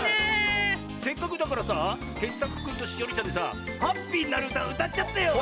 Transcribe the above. せっかくだからさ傑作くんとしおりちゃんでさハッピーになるうたうたっちゃってよ！